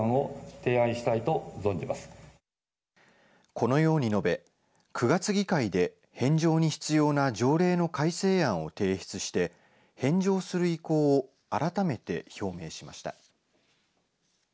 このように述べ９月議会で返上に必要な条例の改正案を提出して返上する意向を改めて表明しました。